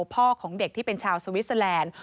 พ่อของเด็กที่เป็นชาวสวิสเตอร์แลนด์